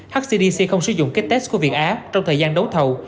hcdc không sử dụng kích test của việt á trong thời gian đấu thầu